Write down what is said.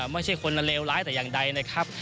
ไม่ใช่คนเลวร้ายแต่อย่างใดนะครับ